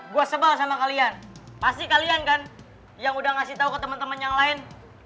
gue sebal sama kalian pasti kalian kan yang udah ngasih tau ke teman teman yang lain